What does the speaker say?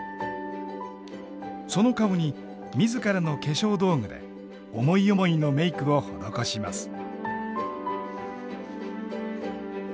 その顔に自らの化粧道具で思い思いのメークを施します。